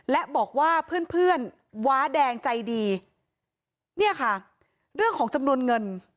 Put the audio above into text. และบอกว่าเพื่อนเพื่อนว้าแดงใจดีเนี่ยค่ะเรื่องของจำนวนเงิน